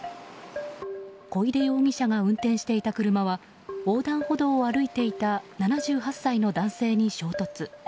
小出容疑者が運転していた車は横断歩道を歩いていた７８歳の男性に衝突。